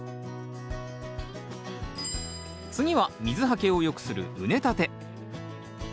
次は水はけをよくする畝立て。